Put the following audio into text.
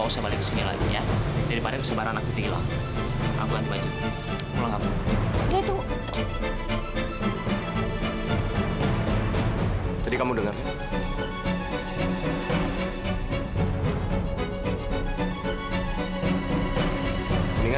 sampai jumpa di video selanjutnya